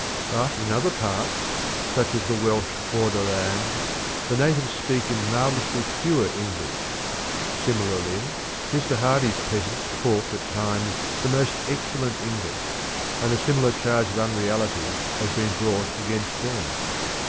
But in other parts, such as the Welsh Borderlands, the natives speak in marvellously pure English. Similarly, Mr. Hardy's peasants talk at times the most excellent English, and a similar charge of unreality has been brought against them.